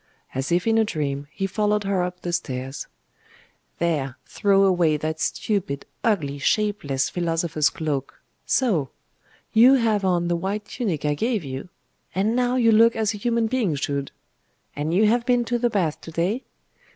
As if in a dream, he followed her up the stairs. 'There, throw away that stupid, ugly, shapeless philosopher's cloak. So! You have on the white tunic I gave you? And now you look as a human being should. And you have been to the baths to day?